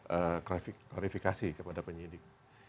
jadi saya masuk sebagai komisioner yang melakukan klarifikasi kepada penyidik